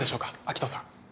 秋斗さん。